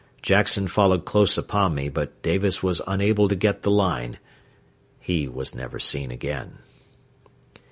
Jackson followed close upon me, but Davis was unable to get the line. He was never seen again.